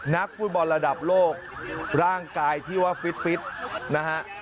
นักฟุตบอลระดับโลกร่างกายที่ว่าฟิตนะฮะ